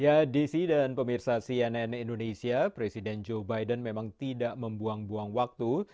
ya dc dan pemirsa cnn indonesia presiden joe biden memang tidak membuang buang waktu